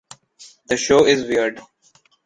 The show is weird.